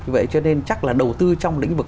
vậy cho nên chắc là đầu tư trong lĩnh vực